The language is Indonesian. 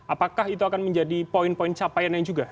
apakah itu akan menjadi poin poin capaiannya juga